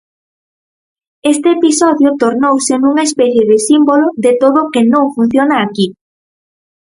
Este episodio tornouse nunha especie de símbolo de todo o que non funciona aquí.